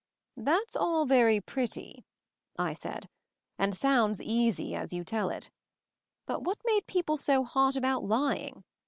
"That's all very pretty," I said, "and sounds easy as you tell it; but what made people so hot about lying?